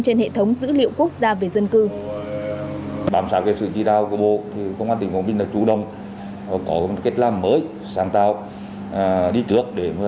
trên hệ thống dữ liệu quốc gia về dân cư